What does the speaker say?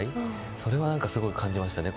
それは、すごい感じましたね。